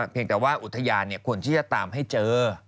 เพียงแต่ว่าอุทยานควรที่จะตามให้เจอ